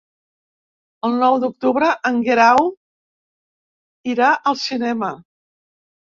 El nou d'octubre en Guerau irà al cinema.